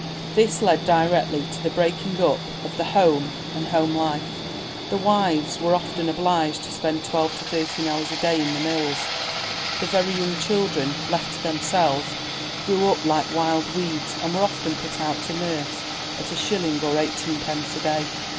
This led directly to the breaking up of the home and home life. The wives were often obliged to spend twelve to thirteen hours a day in the mills; the very young children, left to themselves, grew up like wild weeds and were often put out to nurse at a shilling or eighteenpence a day.